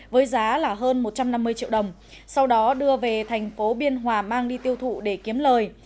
với giá là hơn một trăm năm mươi triệu đồng sau đó đưa về thành phố biên hòa mang đi tiêu thụ để kiếm lời